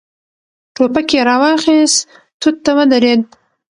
ټوپک يې را واخيست، توت ته ودرېد.